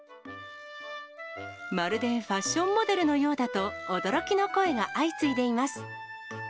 まるでファッションモデルのようだと、驚きの声が相次いでいます。